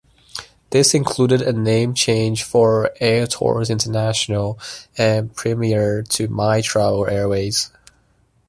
This included a name change for Airtours International and Premiair to MyTravel Airways.